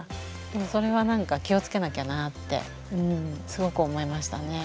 それはなんか気をつけなきゃなってすごく思いましたね。